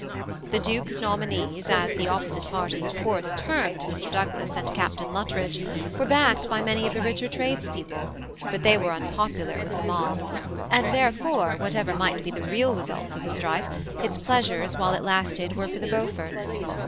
The duke's nominees, as the opposite psoty of . course termed Mr. Douglas and Oaptain Lnttridge, were backed by many of the ri^er tradespeople, but they were oiipopular with the mob ; and, therefore, whatever might be the real results of the strife, its pleasures, while it lasted, were for the Beanforts.